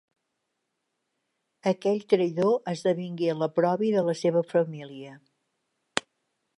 Aquell traïdor esdevingué l'oprobi de la seva família.